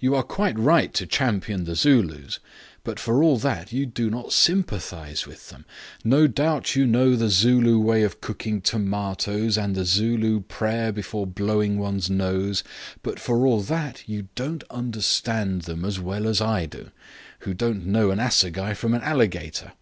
You are quite right to champion the Zulus, but for all that you do not sympathize with them. No doubt you know the Zulu way of cooking tomatoes and the Zulu prayer before blowing one's nose; but for all that you don't understand them as well as I do, who don't know an assegai from an alligator.